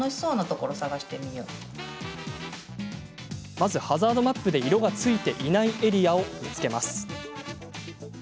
まず、ハザードマップで色がついていないエリアを見つけます。